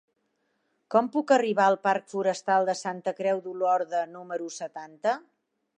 Com puc arribar al parc Forestal de Santa Creu d'Olorda número setanta?